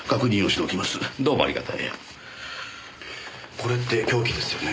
これって凶器ですよね。